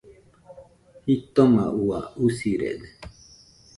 Jitoma ua, usirede.